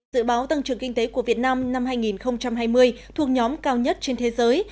dự báo tăng trưởng kinh tế của việt nam năm hai nghìn hai mươi thuộc nhóm cao nhất trên thế giới